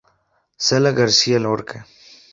Sala García Lorca.